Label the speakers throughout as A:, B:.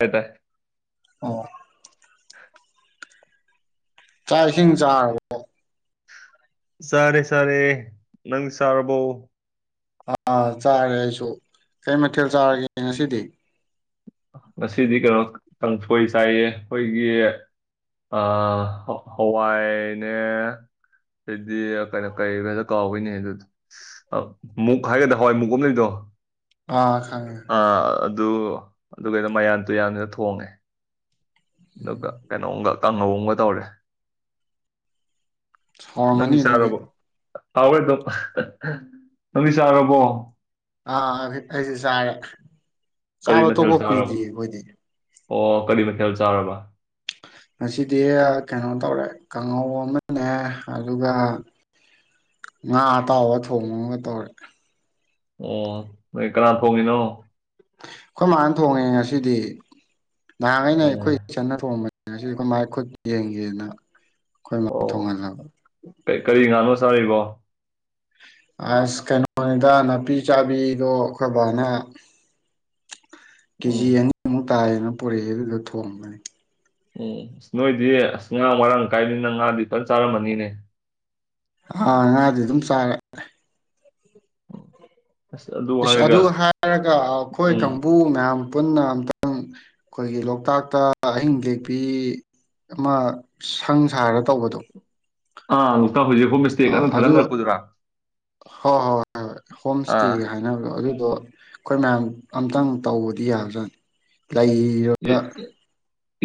A: ꯍꯇ
B: ꯑꯣ ꯆꯥꯛ ꯏꯁꯤꯡ ꯆꯥꯔꯕꯣ
A: ꯁꯥꯔꯦ ꯁꯥꯔꯦ ꯅꯪ ꯁꯥꯔꯕꯣ
B: ꯑꯥ ꯆꯥꯔꯦ ꯑꯩꯁꯨ ꯀꯩ ꯃꯊꯦꯜ ꯆꯥꯔꯒꯦ ꯉꯁꯤꯗꯤ
A: ꯉꯁꯤꯗꯤ ꯀꯩꯅꯣ ꯇꯪꯊꯣꯏ ꯆꯥꯏꯌꯦ ꯑꯩꯈꯣꯏꯒꯤ ꯍꯋꯥꯏꯅꯦ ꯑꯗꯩꯗꯤ ꯀꯩꯅꯣ ꯀꯩꯒꯗ ꯀꯥꯎꯋꯏꯅꯦ ꯑꯗꯨꯗꯤ ꯃꯨꯛ ꯍꯥꯏꯒꯗ꯭ꯔ ꯍꯋꯥꯏ ꯃꯨꯛ ꯑ ꯑꯃꯗꯣꯏꯗꯣ
B: ꯑꯥ ꯈꯥꯡꯉꯦ
A: ꯑꯗꯨ ꯑꯗꯨꯒꯩꯅꯣ ꯃꯌꯥꯟ ꯇꯨꯌꯥꯟꯗꯨꯗ ꯊꯣꯡꯉꯦ
B: ꯎꯝ
A: ꯀꯩꯅꯍꯒ ꯀꯪ ꯑꯍꯣꯡꯕ ꯇꯧꯔꯦ
B: ꯍꯔꯃꯅꯤ ꯑꯗꯨꯗꯤ
A: ꯇꯥꯎꯔꯦꯗꯣ ꯅꯪꯗꯤ ꯆꯥꯔꯕꯣ
B: ꯑꯥ ꯑꯩꯁꯤ ꯆꯥꯔꯦ
A: ꯀꯔꯤ
B: ꯆꯥꯕ
A: ꯃꯊꯦꯜ
B: ꯇꯣꯄ ꯀꯨꯏꯗ꯭ꯦ
A: ꯆꯥꯔꯕ
B: ꯑꯩꯈꯣꯏꯗꯤ
A: ꯑꯣ ꯀꯔꯤ ꯃꯊꯦꯜ ꯆꯥꯎꯔꯕ
B: ꯉꯁꯤꯗꯤ ꯀꯩꯅꯣ ꯇꯧꯔꯦ ꯀꯥꯡꯉꯧ ꯑꯃꯅꯦ ꯑꯗꯨꯒ ꯉꯥ ꯑꯇꯥꯎꯕ ꯊꯣꯡꯕ ꯑꯃꯒ ꯇꯧꯔꯦ
A: ꯑꯣ ꯅꯣꯏ ꯀꯅꯥ ꯊꯣꯡꯉꯤꯅꯣ
B: ꯑꯩꯈꯣꯏ ꯃꯥꯅ ꯊꯣꯡꯉꯦ ꯉꯁꯤꯗꯤ ꯅꯍꯥꯟ ꯑꯩꯅ
A: ꯑꯣ
B: ꯑꯩꯈꯣꯏ ꯆꯟꯅ ꯊꯣꯡꯕꯥꯏ ꯈꯨꯠ ꯌꯦꯡꯉꯤ ꯍꯦꯟꯅ ꯑꯩꯈꯣꯏ ꯃ ꯊꯣꯡꯍꯜꯂꯕ
A: ꯆꯔꯔꯤꯕꯣ
B: ꯑꯁ ꯀꯩꯅꯣꯅꯤꯗ ꯅꯥꯄꯤ ꯆꯥꯕꯤꯗꯣ ꯑꯩꯈꯣꯏ ꯐꯅ ꯀꯦꯖꯤ
A: ꯎꯝ
B: ꯇꯥꯏꯌꯦꯅ ꯄꯨꯔꯤꯩ ꯑꯗꯨꯗ ꯊꯣꯡꯕꯅꯤ
A: ꯎꯝ ꯑ ꯅꯣꯏꯗꯤ ꯑꯁ ꯉꯥ ꯋꯥꯔꯥꯡ ꯀꯥꯏꯅꯤꯅ ꯉꯥꯗꯤꯨꯇꯥꯟ ꯆꯥꯔꯝꯃꯅꯤꯅꯦ
B: ꯑꯥ ꯉꯉꯥꯡꯗꯤ ꯑꯗꯨꯝ ꯆꯔꯦ
A: ꯑꯁ
B: ꯏꯁꯁ
A: ꯍꯥꯏꯔꯒ
B: ꯑꯗꯨ ꯍꯥꯏꯔꯒ ꯑꯩꯈꯣꯏ
A: ꯎꯝ
B: ꯀꯥꯡꯕꯨ ꯃꯌꯥꯝ ꯄꯨꯟꯅ ꯑꯨꯛꯇꯪ ꯑꯩꯈꯣꯏꯒꯤ ꯂꯣꯛꯇꯥꯛꯇ ꯑꯍꯤꯡ ꯇꯦꯛꯄꯤ ꯑꯃ ꯁꯪ ꯁꯥꯔꯒ ꯇꯧꯕꯗꯣ
A: ꯑ
B: ꯑ ꯑꯗꯨ ꯍꯣꯏ ꯍꯣꯏ ꯍꯣꯏ ꯍꯣꯏ ꯍꯣꯝ ꯏꯁꯇꯦ
A: ꯑꯥ
B: ꯍꯥꯏꯅꯕꯗꯣ ꯑꯗꯨꯗꯣ ꯑꯩꯈꯣꯏ ꯃꯌꯥꯝ ꯑꯝꯇꯪ ꯇꯧꯕꯗꯤ ꯌꯥꯕꯖꯥꯠꯅꯤ ꯂꯩꯔꯒ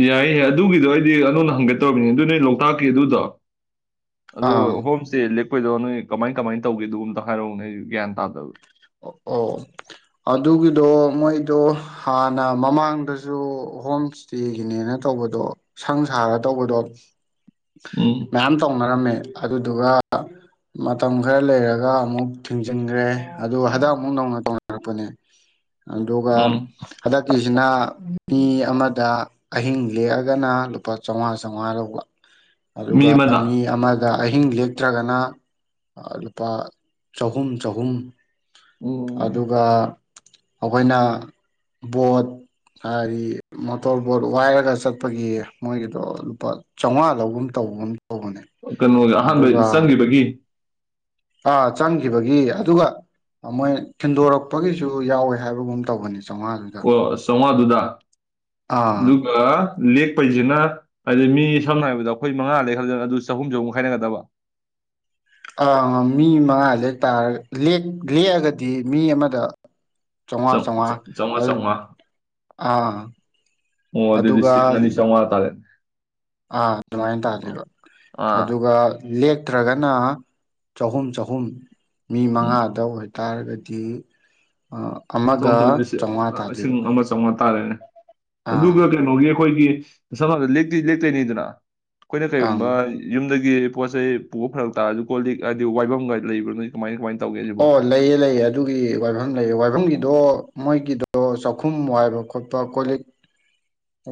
A: ꯌꯥꯏ ꯌꯥꯏ ꯑꯗꯨꯒꯤꯗꯣ ꯑꯩꯗꯤ ꯅꯣꯅ ꯍꯪꯒꯠꯇꯧꯔꯤꯕꯅꯤ ꯑꯗꯨ ꯅ ꯂꯣꯛꯇꯥꯛꯀꯤ ꯑꯗꯨꯗꯣ ꯑꯗꯨꯣ
B: ꯑꯥ
A: ꯍꯣꯝꯁꯦ ꯑꯩꯈꯣꯏꯗꯣ ꯅꯣꯏ ꯀꯃꯥꯏ ꯀꯃꯥꯏ ꯇꯧꯦ ꯑꯗꯨꯒꯗꯨ ꯑꯝꯇ ꯍꯥꯏꯔꯛ ꯅꯣꯏ ꯒ꯭ꯌꯥꯟ ꯇꯥꯕ
B: ꯑꯣ ꯑꯗꯨꯒꯤꯗꯣ ꯃꯣꯏꯗꯣ ꯍꯥꯟꯅ ꯃꯃꯥꯡꯗꯁꯨ ꯍꯣꯝ ꯏꯁꯇꯦꯒꯤꯅꯦꯅ ꯇꯧꯕꯗꯣ ꯁꯪ ꯁꯥꯔ ꯇꯧꯕꯗꯣ
A: ꯎꯝ
B: ꯃꯌꯥꯝ ꯇꯧꯅꯔꯝꯃꯦ ꯑꯗꯨꯗꯨꯒ ꯃꯇꯝ ꯈꯔ ꯂꯩꯔꯒ ꯑꯃꯨꯛ ꯊꯤꯡꯖꯤꯟꯈ꯭ꯔꯦ ꯑ ꯍꯗꯛ ꯑꯃꯨꯛ ꯅꯧꯅ ꯇꯧꯅꯔꯛꯄꯅꯦ ꯑꯗꯨꯒ
A: ꯎꯝ
B: ꯍꯟꯗꯛꯀꯤꯁꯤꯅ ꯃꯤ ꯑꯃꯗ ꯑꯍꯤꯡ ꯂꯦꯛꯑꯒꯅ ꯂꯨꯄꯥ ꯆꯝꯃꯉꯥ ꯆꯥꯝꯃꯉꯥ ꯂꯧꯕ
A: ꯃꯤ
B: ꯑꯗꯨꯒ
A: ꯑꯃꯗ
B: ꯑꯃꯥꯡ ꯑꯗ ꯑꯍꯤꯡ ꯂꯦꯛꯇ꯭ꯔꯒꯅ ꯂꯨꯄꯥ ꯆꯍꯨꯝ ꯆꯍꯨꯝ
A: ꯎꯝ
B: ꯑꯗꯨꯒ ꯑꯩꯈꯣꯏꯅ ꯕꯣꯠ ꯍꯥꯏꯗꯤ ꯃꯣꯇꯣꯔ ꯕꯣꯠ ꯋꯥꯏꯔꯒ ꯆꯠꯄꯒꯤ ꯃꯣꯏꯒꯤꯗꯣ ꯂꯨꯄꯥ ꯆꯥꯝꯃꯉꯥꯗꯒꯨꯝ ꯇꯧꯕ
A: ꯀꯩꯅꯣꯒꯤ ꯑꯍꯥꯟꯕ ꯆꯪꯈꯤꯕꯒꯤ
B: ꯑꯥ ꯆꯪꯈꯤꯕꯒꯤ ꯑꯗꯨꯒ ꯃꯣꯏ ꯊꯈꯤꯤꯟꯗꯣꯔꯛꯄꯒꯤꯁꯨ ꯌꯥꯎꯋꯦ ꯍꯥꯏꯕꯒꯨꯝ ꯇꯧꯕꯅꯤ
A: ꯑꯣ ꯁꯋꯥ ꯑꯗꯨꯗꯨꯗꯥ [inaudible]
B: ꯑꯥ
A: ꯑꯗꯨꯒ ꯂꯦꯛꯄꯩꯁꯤꯅ ꯍꯥꯏꯗꯤ ꯃꯤ ꯁꯝꯅ ꯍꯥꯏꯔꯕꯗ ꯑꯩꯈꯣꯏ ꯃꯉꯥ ꯂꯦꯛꯈ꯭ꯔꯗꯅ ꯑꯗꯨ ꯆꯍꯨꯝ ꯆꯍꯨꯝꯛ ꯈꯥꯏꯅꯒꯗꯕ
B: ꯑꯥ ꯃꯤ ꯃꯉꯥ ꯂꯦꯛ ꯇꯥꯔꯒ ꯂꯦꯛꯑꯒꯗꯤ ꯃꯤ ꯑꯃꯗ
A: ꯆꯧ
B: ꯆꯥꯝꯃꯉꯥ
A: ꯆꯧ ꯆꯧꯉꯥ
B: ꯆꯥꯝꯃꯉꯥ
A: ꯆꯧꯉꯥ
B: ꯑꯥ
A: ꯑꯣ ꯑꯗꯨꯗꯤ
B: ꯑꯗꯨꯒ
A: ꯂꯤꯁꯤꯡ ꯑꯅꯤ ꯆꯧꯉꯥ ꯇꯔꯦ
B: ꯑꯥ ꯑꯗꯨꯃꯥꯏꯅ ꯇꯥꯗꯣꯏꯕ
A: ꯑꯥ
B: ꯑꯗꯨꯒ ꯂꯦꯛꯇ꯭ꯔꯒꯅ ꯆꯍꯨꯝ ꯆꯍꯨꯝ ꯃꯤ ꯃꯉꯥꯗ
A: ꯎꯝ
B: ꯑꯣꯏꯇꯥꯔꯒꯗꯤ ꯇꯤ
A: ꯆꯥꯍꯨꯝ ꯃꯉꯥꯂꯤꯁꯤꯡ ꯑꯃ ꯆꯥꯝꯃꯉꯥ ꯇꯥꯔꯦꯅꯦ
B: ꯑꯥ
A: ꯑꯗꯨꯒ ꯀꯩꯅꯣꯒꯤ ꯑꯩꯈꯣꯏꯒꯤ ꯁꯝꯐꯗ ꯂꯦꯛꯇꯤ ꯂꯦꯛꯇꯣꯏꯅꯤꯗꯅ ꯑꯩꯈꯣꯏꯅ
B: ꯑꯪ
A: ꯀꯩꯒꯨꯝꯕ ꯌꯨꯝꯗꯒꯤ ꯄꯣꯠ ꯆꯩ ꯄꯨꯕ ꯐꯔꯛ ꯇꯥꯔꯁꯨ ꯀꯣꯠꯂꯤꯛ ꯍꯥꯏꯗꯤ ꯋꯥꯏꯐꯝꯒ ꯂꯩꯕ ꯅꯣꯏ ꯀꯃꯥꯏ ꯀꯃꯥꯏꯅ ꯇꯧꯒꯦ ꯁꯤꯕꯣ
B: ꯑꯣ ꯂꯩꯌꯦ ꯂꯩꯌꯦ ꯑꯗꯨꯒꯤ ꯋꯥꯏꯐꯝ ꯂꯩꯑ ꯋꯥꯏꯐꯝꯒꯤ꯫ ꯑꯗꯣ ꯃꯣꯏꯒꯤꯗꯣ ꯆꯥꯛꯈꯨꯝ ꯋꯥꯏꯕ ꯈꯣꯠꯄ ꯀꯣ ꯂꯤꯛ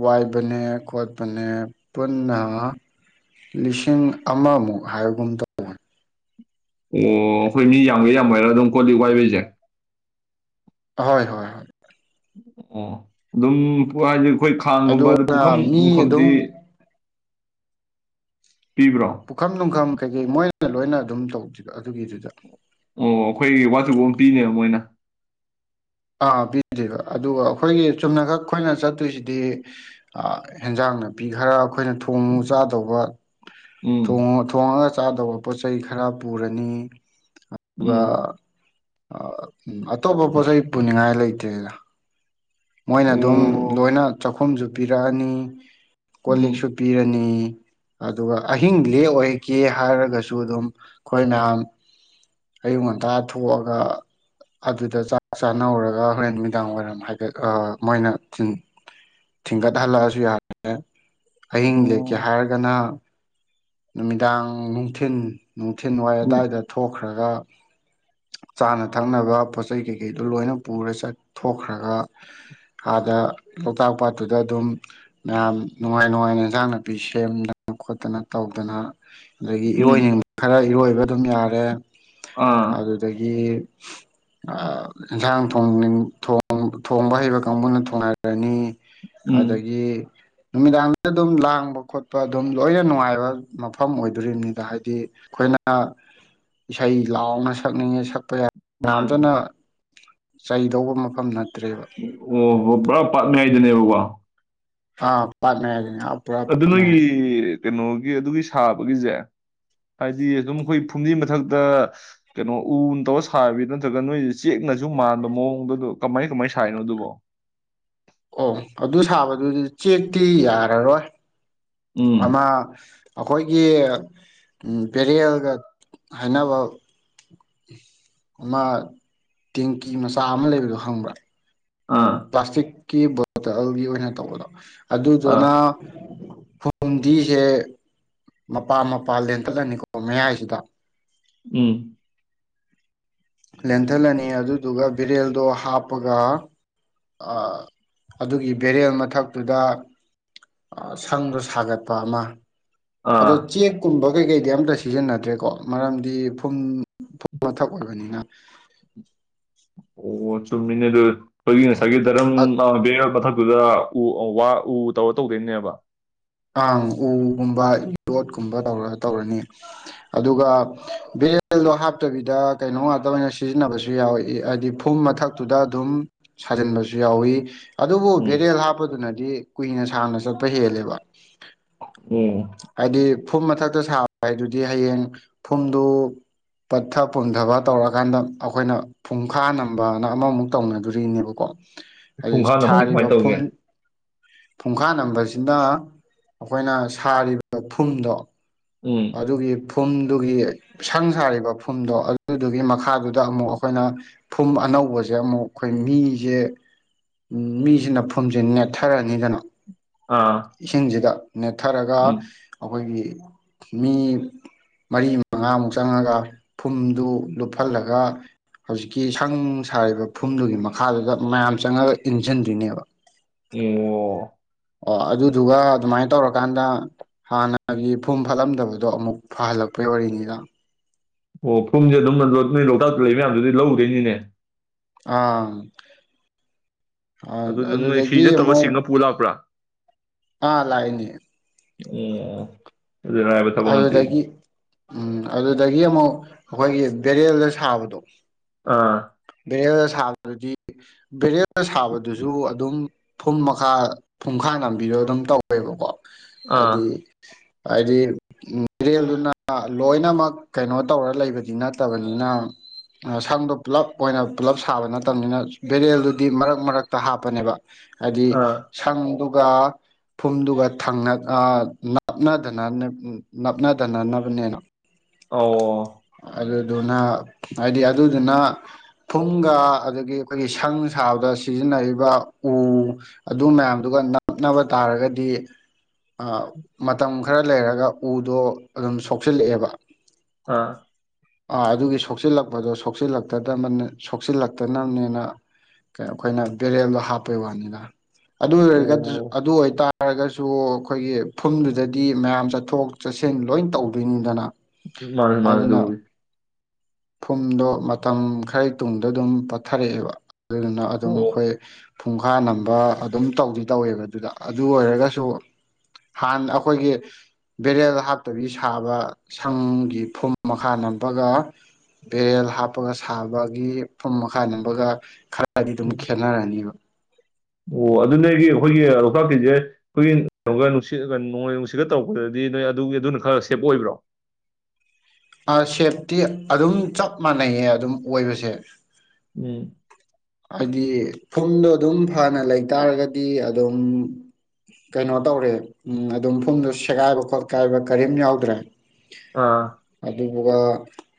B: ꯋꯥꯏꯕꯅꯦ ꯈꯣꯠꯄꯅꯦ ꯄꯨꯟꯅ ꯂꯤꯁꯤꯡ ꯑꯃꯃꯨꯛ ꯍꯥꯏꯕꯒꯨꯝ ꯇꯧꯕꯅꯤ
A: ꯑꯣ ꯑꯩꯈꯣꯏ ꯃꯤ ꯌꯥꯝꯒꯦ ꯌꯥꯝꯃꯣꯏꯔꯥ ꯑꯗꯨꯝ ꯀꯣꯜꯂꯤꯛ ꯋꯥꯏꯕꯩꯁꯦ
B: ꯍꯣꯏ ꯍꯣꯏ ꯍꯣꯏ
A: ꯑꯣ ꯑꯗꯨꯝ ꯋꯥꯏꯕ ꯑꯩꯈꯣꯏ ꯈꯥꯡꯒꯨꯝꯕ ꯑꯗꯨ
B: ꯑꯗꯨꯅ
A: ꯄꯨꯈꯝ
B: ꯃꯤ
A: ꯅꯨꯡꯈꯝꯗꯤ
B: ꯑꯗꯨꯝ ꯄꯨꯈꯝ ꯅꯨꯡꯈꯝ ꯀꯩꯀꯩ ꯃꯣꯏꯅ ꯂꯣꯏꯅ ꯑꯗꯨꯝ ꯇꯧ ꯑꯗꯨꯒꯤꯗꯨꯗ
A: ꯑꯣ ꯑꯩꯈꯣꯏ ꯋꯥꯆꯕ ꯑꯃ ꯄꯤꯅꯦꯕ ꯃꯣꯏꯅ
B: ꯑꯥꯄꯤꯗ꯭ꯦꯕ ꯑꯗꯨꯒ ꯑꯩꯈꯣꯏꯒꯤ ꯆꯨꯝꯅꯈꯛ ꯑꯩꯈꯣꯏꯅ ꯆꯠꯇꯣꯏꯁꯤꯗꯤ ꯑꯦꯟꯖꯥꯡ ꯅꯥꯄꯤ ꯈꯔ ꯑꯩꯈꯣꯏꯅ ꯊꯣꯡꯉꯨ ꯆꯥꯗꯧꯕ ꯊꯣꯡ
A: ꯎꯝ
B: ꯊꯣꯡꯉꯒ ꯆꯥꯗꯕ ꯄꯣꯠꯆꯩ ꯈꯔ ꯄꯨꯔꯅꯤ ꯑꯗꯨꯒ
A: ꯎꯝ
B: ꯑꯇꯣꯞꯄ ꯄꯣꯠꯆꯩ ꯄꯨꯅꯤꯡꯉꯥꯏ ꯂꯩꯇꯦꯗ ꯃꯣꯏꯅ ꯑꯗꯨꯝ
A: ꯑꯣ
B: ꯂꯣꯏꯅ ꯆꯥꯛꯈꯨꯝꯁꯨ ꯄꯤꯔꯛꯑꯅꯤ ꯀꯣꯜ ꯂꯤꯛꯁꯨ
A: ꯎꯝ
B: ꯄꯤꯔꯅꯤ ꯑꯗꯨꯒ ꯑꯍꯤꯡ ꯂꯦꯛ ꯑꯣꯏꯒꯦ ꯍꯥꯏꯔꯒꯁꯨ ꯑꯗꯨꯝ ꯑꯩꯈꯣꯏ ꯃꯌꯥꯝ ꯑꯌꯨꯛ ꯉꯟꯇꯥ ꯊꯣꯛꯑꯒ ꯑꯗꯨꯗ ꯆꯥꯛ ꯆꯥꯅꯧꯔꯒ ꯍꯣꯔꯦꯟ ꯅꯨꯃꯤꯗꯥꯡ ꯋꯥꯏꯔꯝ ꯍꯥꯏꯒꯠ ꯑꯥ ꯃꯣꯏꯅ ꯊꯤꯡꯒꯠꯍꯜꯂꯛꯑꯁꯨ ꯌꯥꯔꯦ ꯑꯍꯤꯡ ꯂꯦꯛꯀꯦ
A: ꯑꯣ
B: ꯍꯥꯏꯔꯒꯅ ꯅꯨꯃꯤꯗꯥꯡ ꯅꯨꯡꯊꯤꯟ ꯅꯨꯡꯊꯤꯜꯋꯥꯏ
A: ꯎꯝ
B: ꯑꯗꯥꯋꯥꯏꯗ ꯊꯣꯛꯈ꯭ꯔꯦ ꯈ꯭ꯔꯒ ꯆꯥꯅ ꯊꯛꯅꯕ ꯄꯣꯠ ꯆꯩ ꯀꯩꯀꯩꯗꯨ ꯂꯣꯏꯅ ꯄꯨꯔ ꯆꯠꯊꯣꯛꯈ꯭ꯔꯒ ꯑꯥꯗ ꯂꯣꯛꯇꯥꯛ ꯄꯥꯠꯇꯨꯗ ꯑꯗꯨꯝ ꯃꯌꯥꯝ ꯅꯨꯡꯉꯥꯏ ꯅꯨꯡꯉꯥꯏꯅ ꯏꯟꯁꯥꯡ ꯅꯥꯄꯤ ꯁꯦꯝꯗꯅ ꯈꯣꯠꯇꯅ ꯇꯧꯗꯅ ꯑꯗꯒꯤ
A: ꯎꯝ
B: ꯏꯔꯣꯏꯅꯤꯡꯕ ꯈꯔ ꯏꯔꯣꯏ ꯑꯗꯨꯝ ꯌꯥꯔꯦ
A: ꯑꯥ
B: ꯑꯗꯨꯗꯒꯤ ꯏꯟꯁꯥꯡ ꯊ ꯊꯣꯡꯕ ꯍꯩꯕ ꯀꯥꯡꯕꯨꯅ ꯊꯣꯡꯅꯔꯅꯤ
A: ꯎꯝ
B: ꯑꯗꯨꯗꯒꯤ ꯅꯨꯃꯤꯗꯥꯡꯗ ꯑꯗꯨꯝ ꯂꯥꯡꯕ ꯈꯣꯠꯄ ꯑꯗꯨꯝ ꯂꯣꯏꯅ ꯅꯨꯡꯉꯥꯏꯕ ꯑꯣꯏꯣ ꯍꯥꯏ ꯑꯩ ꯏꯁꯩ ꯂꯥꯎ ꯁꯛ ꯌꯥ
A: ꯃꯥꯅꯦ
B: ꯌꯥꯝꯝꯁꯨꯅ ꯆꯩꯗꯧꯕ ꯃꯐꯝ ꯅ
A: ꯑꯣ ꯍꯣ ꯄꯨꯔꯥ ꯄꯥꯥꯛꯅꯉꯏꯗꯅꯦꯕꯀ [inaudible]
B: ꯑ ꯄꯃꯦꯦ ꯄꯨꯔꯥ ꯄꯅꯦ
A: ꯅꯣꯏꯒꯤ ꯀꯩꯅꯣꯒꯤ ꯑꯗꯨꯒꯤ ꯁꯥꯕꯒꯤꯁꯦ ꯍꯥꯏꯗꯤ ꯑꯗꯨꯝ ꯑꯩꯈꯣꯏ ꯐꯨꯝꯗꯤ ꯃꯊꯛꯇ ꯀꯩꯅꯣ ꯎ ꯇꯧꯔ ꯁꯥꯕꯤ ꯅꯠꯇ꯭ꯔꯒ ꯅꯣꯏꯁꯦ ꯆꯦꯛꯅꯁꯨ ꯃꯥꯟꯕ ꯃꯑꯣꯡꯗꯗꯣ ꯀꯃꯥꯏ ꯀꯃꯥꯏꯅ ꯁꯥꯏꯔꯤꯅꯣ ꯑꯗꯨꯕꯣ
B: ꯑꯣ ꯑꯗꯨ ꯁꯥꯕꯗꯨ ꯆꯦꯛꯇꯤ ꯌꯥꯔꯔꯣꯏ ꯑꯃꯃ
A: ꯎꯝ
B: ꯑꯩꯈꯣꯏꯒꯤ ꯄꯦꯔꯦꯜꯒ ꯍꯥꯏꯅꯕ ꯑꯃ ꯇꯦꯡꯀꯤ ꯃꯆꯥ ꯑꯃ ꯂꯩꯕꯗꯣ ꯍꯪꯕ꯭ꯔꯥ ꯎ
A: ꯑꯥ
B: ꯄ꯭ꯂꯥꯁꯇꯛ ꯀꯤ ꯕꯇꯜꯒꯤ ꯑꯣꯏꯅ ꯇꯧꯕꯗꯣ ꯑꯗꯨꯗꯨꯣꯅ
A: ꯑꯥ
B: ꯐꯨꯝꯗꯤꯁꯦ ꯃꯄꯥꯥꯟ ꯃꯄꯥꯥꯟ ꯂꯦꯟꯊꯠꯂꯅꯤꯀꯣ ꯃꯌꯥꯏꯁꯤꯗ
A: ꯎꯝ
B: ꯂꯦꯟꯊꯜꯂꯅꯤ ꯑꯗꯨꯗꯨꯒ ꯕꯦꯔꯦꯜꯗꯣ ꯍꯥꯞꯄꯒ ꯑꯗꯨꯒꯤ ꯕꯦꯔꯦꯜ ꯃꯊꯛꯇꯨꯗ ꯁꯪꯗꯣ ꯁꯥꯒꯠꯄ ꯑꯃ ꯑꯗꯨꯣ
A: ꯑꯥ
B: ꯆꯦꯦꯛ ꯀꯨꯨꯝꯚ ꯀꯩ ꯀꯩꯗꯤ ꯑꯝꯇ ꯁꯤꯖꯤꯟꯅꯗ꯭ꯔꯦꯀꯣ ꯃꯔꯝꯗꯤ ꯐꯨꯝ ꯐꯨꯝ ꯃꯊꯛ ꯑꯣꯏꯕꯅꯤꯅ
A: ꯑꯣ ꯆꯨꯝꯃꯤꯅꯦ ꯑꯗꯨ ꯑꯩꯈꯣꯏꯒꯤ ꯉꯁꯥꯏꯒꯤ ꯙꯔꯃ ꯃꯊ ꯑꯗꯨꯗ ꯎ ꯋꯥ ꯎ ꯇꯧꯔ ꯇꯧꯗꯣꯏꯅꯦꯕ
B: ꯑꯪ ꯎꯒꯨꯝꯕ ꯌꯣꯠꯀꯨꯝꯕ ꯇꯧꯔ ꯇꯧꯔꯅꯤ ꯑꯗꯨꯒ ꯕꯦꯜꯗꯣ ꯍꯥꯞꯇꯕꯤꯗ ꯀꯩꯅꯣ ꯉꯥꯛꯇ ꯑꯣꯏꯅ ꯁꯤꯖꯤꯟꯅꯕꯁꯨ ꯌꯥꯎꯏ ꯍꯥꯏꯕꯗꯤ ꯐꯨꯝ ꯃꯊꯛꯇꯨꯗ ꯑꯗꯨꯝ ꯁꯥꯖꯤꯟꯕꯁꯨ ꯌꯥꯎꯏꯤ ꯑꯗꯨꯕꯨ
A: ꯎꯝ
B: ꯕꯦꯔꯦꯜ ꯍꯥꯞꯄꯗꯨꯅꯗꯤ ꯗꯤ ꯀꯨꯏꯅ ꯁꯥꯡꯅ ꯆꯠꯄ ꯍꯦꯜꯂꯦꯕ ꯑꯩꯗ
A: ꯑꯣ
B: ꯐꯨꯝ ꯃꯊꯛꯇ ꯁꯥꯕ ꯍꯥꯏꯗꯨꯗꯤ ꯍꯌꯦꯡ ꯐꯨꯝꯗꯨ ꯄꯠꯊ ꯄꯨꯝꯊꯕ ꯇꯧꯔꯀꯥꯟꯗ ꯑꯩꯈꯣꯏꯅ ꯐꯨꯡꯈꯥ ꯅꯝꯕꯅ ꯑꯃꯃꯨꯛ ꯇꯧꯅꯗꯣꯔꯤꯅꯦꯕꯀꯣ
A: ꯈꯨꯡꯈꯥꯡꯗ ꯃꯥꯏ ꯀꯃꯥꯏꯅ ꯇꯧꯒꯦ
B: ꯐꯨꯡꯈꯥ ꯅꯝꯕꯁꯤꯅ ꯑꯩꯈꯣꯏꯅ ꯁꯥꯔꯤꯕ ꯐꯨꯝꯗꯣ
A: ꯎꯝ
B: ꯑꯗꯒꯤ ꯐꯨꯝꯗꯨꯒꯤ ꯁꯪ ꯁꯥꯔꯤꯕ ꯐꯨꯝꯗꯣ ꯑꯗꯨꯗꯨꯒꯤ ꯃꯈꯥꯗꯨꯗ ꯑꯃꯨꯛ ꯑꯩꯈꯣꯏꯅ ꯐꯨꯝ ꯑꯅꯧꯕꯁꯦ ꯑꯃꯨꯛ ꯑꯩꯈꯣꯏ ꯃꯤꯁꯦ ꯃꯤꯁꯤꯅ ꯐꯨꯝꯁꯦ ꯅꯦꯠꯊꯔꯅꯤꯗꯅ
A: ꯑꯥ
B: ꯏꯁꯤꯡꯁꯤꯗ ꯅꯦꯠꯊꯔꯒ
A: ꯎꯝ
B: ꯑꯩꯈꯣꯏꯒꯤ ꯃꯤ ꯃꯔꯤ ꯃꯉꯥꯃꯨꯛ ꯆꯪꯉꯒ ꯐꯨꯝꯗꯨ ꯂꯨꯞꯍꯜꯂꯒ ꯍꯧꯖꯤꯛꯀꯤ ꯁꯪ ꯁꯥꯔꯤꯕ ꯐꯨꯝꯗꯨꯒꯤ ꯃꯈꯥꯗꯨꯗ ꯃꯌꯥꯝ ꯆꯪꯉꯒ ꯏꯟꯁꯤꯟꯗꯣꯏꯅꯦꯕ
A: ꯑꯣ
B: ꯑꯣ ꯑꯗꯨꯗꯨꯒ ꯑꯗꯨꯃꯥꯏꯅ ꯇꯧꯔꯀꯥꯟꯗ ꯍꯥꯟꯅꯒꯤ ꯐꯨꯝ ꯐꯠꯂꯝꯗꯕꯗꯣ ꯑꯃꯨꯛ ꯐꯍꯜꯂꯛꯄꯩ ꯑꯣꯏꯔꯤꯅꯤꯗ
A: ꯑꯣ ꯐꯨꯝꯁꯦ ꯑꯗꯨꯝ ꯅꯣꯏ ꯂꯣꯛꯇꯥꯛꯇ ꯂꯩꯕ ꯃꯌꯥꯝꯗꯨꯗꯤ ꯂꯧꯗꯣꯏꯅꯤꯅꯦ
B: ꯑꯥ
A: ꯑꯗꯨ ꯑꯗꯨꯝ
B: ꯑꯗꯨꯗꯒꯤ
A: ꯍꯤꯗꯠꯇꯕ
B: ꯑꯃꯨꯛ
A: ꯁꯤꯡꯅ ꯄꯨ ꯂꯥꯛꯄ꯭ꯔꯥ
B: ꯑꯥ ꯂꯥꯏꯅꯤ
A: ꯑꯦ ꯑ ꯑꯗꯨ ꯥꯏꯕꯠꯇꯕ ꯉꯟꯇꯦꯅꯤ
B: ꯑꯗꯨꯗꯒꯤ ꯎꯝ ꯑꯗꯨꯗꯒꯤ ꯑꯃꯨꯛ ꯑꯩꯈꯣꯏꯒꯤ ꯕꯦꯔꯦꯜꯗ ꯁꯥꯕꯗꯣ
A: ꯑꯥ
B: ꯕꯦꯔꯦꯜꯗ ꯁꯥꯕꯗꯨꯗꯤ ꯕꯦꯔꯦꯜꯗ ꯁꯥꯕꯗꯨꯁꯨ ꯑꯗꯨꯝ ꯐꯨꯝ ꯃꯈꯥ ꯐꯨꯡꯈꯥꯏ ꯅꯥꯝꯕꯤꯔꯒ ꯑꯗꯨꯝ ꯇꯧꯋꯦꯕꯀꯣ
A: ꯑꯥ
B: ꯍꯥꯏꯗꯤ ꯍꯥꯏꯗꯤ ꯕꯦꯔꯦꯜꯗꯨꯅ ꯂꯣꯏꯅꯃꯛ ꯀꯩꯅꯣ ꯇꯧꯔ ꯂꯩꯕꯗꯤ ꯅꯠꯇꯕꯅꯤꯅ ꯁꯪꯗꯣ ꯄꯨꯜꯂꯞ ꯑꯣꯏꯅ ꯄꯨꯜꯂꯞ ꯁꯥꯕ ꯅꯠꯇꯕꯅꯤꯅ ꯕꯦꯔꯦꯜꯗꯨꯗꯤ ꯃꯔꯛ ꯃꯔꯛꯇ ꯍꯥꯞꯄꯅꯦꯕ ꯍꯥꯏꯗꯤ
A: ꯑꯥ
B: ꯁꯥꯡꯗ ꯐꯨꯝꯗꯨꯒ ꯅꯞꯅꯗꯅ ꯅꯞꯅꯗꯅꯅꯕꯅꯦꯅ
A: ꯑ
B: ꯑꯗꯨꯗꯨꯅ ꯍꯥꯏꯗꯤ ꯑꯗꯨꯗꯨꯅ ꯐꯨꯝꯒ ꯑꯗꯒꯤ ꯑꯩꯈꯣꯏꯒꯤ ꯁꯪ ꯁꯥꯕꯗ ꯁꯤꯖꯤꯟꯅꯔꯤꯕ ꯎ ꯑꯗꯨ ꯃꯌꯥꯝꯗꯨꯒ ꯅꯞꯅꯕ ꯇꯥꯔꯒꯗꯤ ꯃꯇꯝ ꯈꯔ ꯂꯩꯔꯒ ꯎꯗꯣ ꯑꯗꯨꯝ ꯁꯣꯛꯆꯤꯜꯂꯛꯑꯦꯕ
A: ꯑꯥ
B: ꯑꯥ ꯑꯗꯨꯒꯤ ꯁꯣꯛꯆꯤꯜꯂꯛꯄꯗꯣ ꯁꯣꯛꯆꯤꯜꯂꯛꯇꯕ ꯁꯣꯛꯆꯤꯜꯂꯛꯇꯅꯕꯅꯤꯅꯣ ꯑꯩꯈꯣꯏꯅ ꯕꯦꯔꯦꯜꯗꯣ ꯍꯥꯞꯄꯩ ꯋꯥꯅꯤꯅ ꯑꯗꯨ ꯑꯣꯏꯔꯒ
A: ꯑꯣ
B: ꯑꯗꯨ ꯑꯣꯏ ꯍꯥꯏ ꯇꯥꯔꯒꯁꯨ ꯑꯩꯈꯣꯏꯒꯤ ꯐꯨꯝꯗꯨꯗꯗꯤ ꯃꯌꯥꯝ ꯆꯠꯊꯣꯛ ꯆꯠꯁꯦꯡ ꯂꯣꯏ ꯇꯧꯗꯣꯏꯅꯤꯗꯅ
A: ꯃꯥ ꯃꯥꯗ
B: ꯑꯗꯨꯅ ꯐꯨꯝꯗꯣ ꯃꯇꯝ ꯈꯔꯒꯤ ꯇꯨꯡꯗ ꯑꯗꯨꯝ ꯄꯠꯊꯔꯛꯑꯦꯕ ꯑꯗꯨꯗꯨꯅ ꯑꯗꯨꯝ
A: ꯑꯣ
B: ꯑꯩꯈꯣꯏ ꯐꯨꯡꯈꯥ ꯅꯝꯕ ꯑꯗꯨꯝ ꯇꯧꯗꯤ ꯇꯧꯋꯦꯕ ꯑꯗꯨꯗ ꯑꯗꯨ ꯑꯣꯏꯔꯒꯁꯨ ꯍꯥꯟꯅ ꯑꯩꯈꯣꯏꯒꯤ ꯕꯦꯔꯦꯜ ꯍꯥꯞꯇꯕꯤ ꯁꯥꯕ ꯁꯪꯒꯤ ꯐꯨꯝ ꯃꯈꯥ ꯅꯝꯝꯕꯒ ꯕꯦꯔꯦꯜ ꯍꯥꯞꯄꯒ ꯁꯥꯕꯒꯤ ꯐꯨꯝ ꯃꯈꯥ ꯅꯕꯒ ꯈ ꯗꯤ ꯑꯗꯨꯝ ꯈꯦꯠꯅꯔꯅꯤꯕ
A: ꯑꯣ ꯑꯗꯨ ꯅꯣꯏꯒꯤ ꯑꯩꯈꯣꯏꯒꯤ ꯂꯣꯛꯇꯥꯛꯀꯤꯁꯦ ꯑꯩꯈꯣꯏꯒꯤ ꯀꯩꯅꯣꯒ ꯅꯨꯡꯁꯤꯠ ꯅꯣꯡꯂꯩ ꯅꯨꯡꯁꯤꯠꯒ ꯇꯧꯔꯛꯄꯗꯗꯤ ꯅꯣꯏ ꯑꯗꯨꯒꯤ ꯑꯗꯨꯅ ꯈꯔ ꯁꯦꯞ ꯑꯣꯏꯕ꯭ꯔꯣ
B: ꯁꯦꯞꯇꯤ ꯑꯗꯨꯝ ꯆꯞ ꯃꯥꯟꯅꯩꯌꯦ ꯑꯗꯨꯝ ꯑꯣꯏꯕꯁꯦ
A: ꯎꯝ
B: ꯍꯥꯏꯗꯤ ꯐꯨꯝꯗꯣ ꯑꯗꯨꯝ ꯐꯅ ꯂꯩꯇꯥꯥꯔꯒꯗꯤ ꯑꯗꯨꯝ ꯀꯩꯅꯣ ꯇꯧꯔꯦ ꯑꯗꯨꯝ ꯐꯨꯝꯗꯣ ꯁꯦꯒꯥꯏꯕ ꯈꯣꯠꯀꯥꯏꯕ ꯀꯔꯤꯝ ꯌꯥꯎꯗ꯭ꯔꯦ
A: ꯑꯥ
B: ꯑꯗꯨꯒ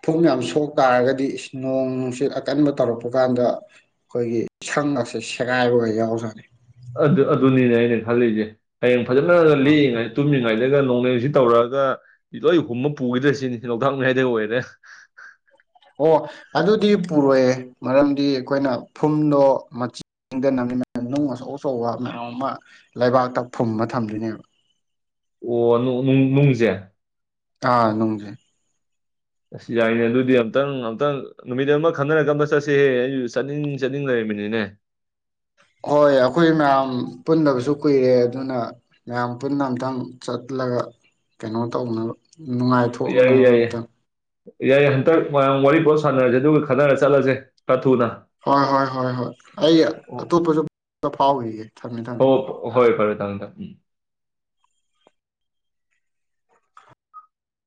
B: ꯊꯨꯝ ꯌꯥꯝ ꯁꯣꯛ ꯇꯥꯔꯒꯗꯤ ꯅꯣꯡ ꯅꯨꯡꯁꯤꯠ ꯑꯀꯟꯕ ꯇꯧꯔꯛꯄ ꯀꯥꯟꯗ ꯑꯩꯈꯣꯏꯒꯤ ꯁꯪ ꯑꯁꯦ ꯁꯦꯒꯥꯏꯕꯒ ꯌꯥꯎꯖꯅꯤ
A: ꯑꯗꯨ ꯑꯗꯨꯅꯤꯅꯦ ꯑꯩꯅ ꯈꯜꯂꯤꯁꯦ ꯍꯌꯦꯡ ꯐꯖꯅ ꯂꯤꯛꯏꯉꯩꯗ ꯇꯨꯝꯃꯤꯉꯩꯗ ꯅꯣꯡꯂꯩꯁꯤ ꯇꯧꯔꯑꯒ ꯂꯣꯏ ꯍꯨꯝꯃ ꯄꯨꯈꯤꯗ꯭ꯔꯦ ꯁꯤꯅꯤ ꯂꯣꯛꯇꯥꯛ ꯃꯌꯥꯏꯗ ꯑꯣꯏꯔꯦ
B: ꯑꯣ ꯑꯗꯨꯗꯤ ꯄꯨꯔꯣꯏꯌꯦꯦ ꯃꯔꯝꯗꯤ ꯑꯩꯈꯣꯏꯅ ꯐꯨꯝꯗꯣ ꯃꯆꯤꯟꯗ ꯅ ꯅꯨꯡ ꯑꯆꯧ ꯑꯆꯧꯕ ꯃꯌꯥꯝ ꯑꯃ ꯂꯩꯕꯥꯛꯇ ꯐꯨꯝꯕ ꯊꯝꯗꯣꯏꯅꯦꯕ
A: ꯑꯣ ꯅꯨꯡꯁꯦ
B: ꯑꯥ ꯅꯨꯡꯖꯦ
A: ꯑꯁ ꯌꯥꯏꯅꯦ ꯑꯗꯨꯗꯤ ꯑꯝꯛꯇꯪ ꯑꯝꯇꯪ ꯅꯨꯃꯤꯠ ꯑꯃ ꯈꯟꯅꯔꯀ ꯑꯃ ꯆꯠꯁꯦꯍꯦ ꯑꯩꯁꯨ ꯆꯠꯅꯤꯡ ꯆꯠꯅꯤꯡ ꯂꯩꯔꯝꯃꯤꯅꯤꯅꯦ
B: ꯍꯣꯏ ꯑꯩꯈꯣꯏ ꯃꯌꯥꯝ ꯄꯨꯟꯗꯕꯁꯨ ꯀꯨꯏꯔꯦ ꯑꯗꯨꯅ ꯃꯌꯥꯝ ꯄꯨꯟꯅ ꯑꯝꯛꯇꯪ ꯆꯠꯂꯒ ꯀꯩꯅꯣ ꯇꯧꯅꯕ ꯅꯨꯡꯉꯥꯏꯊꯣꯛꯅꯕ ꯑꯝꯇꯪ
A: ꯌꯥꯏ ꯍꯟꯇꯛ ꯃꯌꯥꯝ ꯋꯥꯔꯤ ꯄꯣꯠ ꯁꯥꯟꯅꯔꯁꯦ ꯑꯗꯨꯒ ꯈꯠꯟꯅꯔ ꯆꯠꯂꯁꯦ ꯈꯔ ꯊꯨꯅ
B: ꯍꯣꯏ ꯍꯣꯏ ꯍꯣꯏ ꯍꯣꯏ ꯑꯩ
A: ꯑꯣ
B: ꯑꯇꯣꯞꯄꯁꯨ ꯐꯥꯎꯔꯤꯒꯦ ꯊꯝꯃꯦ ꯊꯝꯃꯦ
A: [unintelligible]